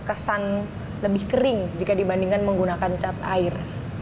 jika dilihat terkesan lebih kering jika dibandingkan menggunakan cat air